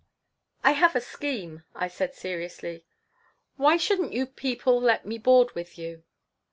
"I have a scheme," I said, seriously. "Why shouldn't you people let me board with you?"